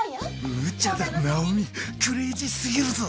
無茶だナオミクレイジーすぎるぞ